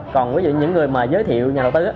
còn ví dụ những người mà giới thiệu nhà đầu tư